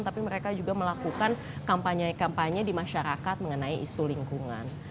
tapi mereka juga melakukan kampanye kampanye di masyarakat mengenai isu lingkungan